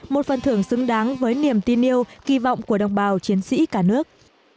một phần thưởng xứng đáng với niềm tin yêu kỳ vọng của đồng bào chiến sĩ cả nước